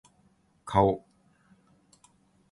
顔